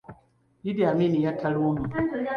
Idi Amin yatta Luwum.